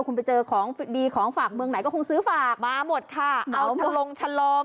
คุณไปเจอของดีของฝากเมืองไหนก็คงซื้อฝากมาหมดค่ะเอาทะลงชะลอม